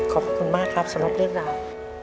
ขอบคุณมากครับสำหรับเรื่องราว